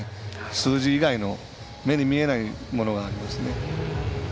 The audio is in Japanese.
数字以外の目に見えないものがありますね。